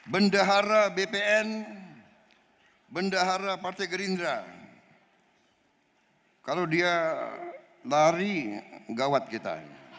bendahara bpn bendahara partai gerindra kalau dia lari gawat kita